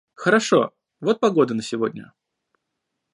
Хорошо, вот погода на сегодня